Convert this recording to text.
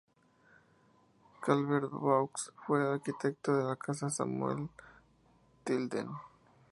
Calvert Vaux fue el arquitecto de la Casa Samuel J. Tilden.